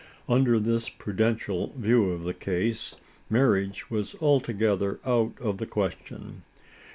Under this prudential view of the case, marriage was altogether out of the question.